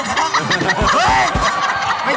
เฮ้ยไม่เกี่ยว